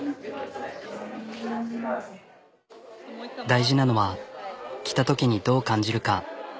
大事なのは着たときにどう感じるか。